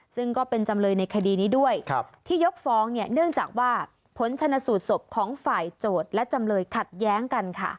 ซึ่งก็เป็นจำเลยในคดีนี้ด้วยที่ยกฟ้องเนี่ยเนื่องจากว่าผลชนสูตรศพของฝ่ายโจทย์และจำเลยขัดแย้งกันค่ะ